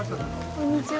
こんにちは。